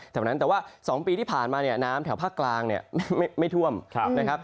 แถวนั้นแต่ว่า๒ปีที่ผ่านมาเนี่ยน้ำแถวภาคกลางเนี่ยไม่ท่วมนะครับ